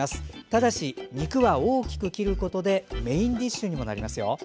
ただし、肉は大きく切ることでメインディッシュにもなりますよ。